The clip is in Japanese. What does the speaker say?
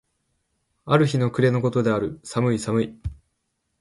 ある日の暮方の事である。寒い寒い。